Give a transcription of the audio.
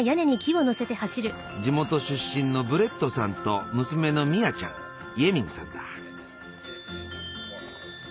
地元出身のブレットさんと娘のミアちゃんイェミンさんだ。